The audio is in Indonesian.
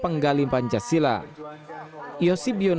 pemerintah blitar juga menangkan pembinaan